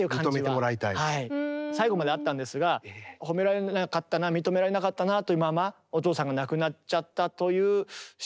はい最後まであったんですが褒められなかったな認められなかったなというままお父さんが亡くなっちゃったというしこりというか。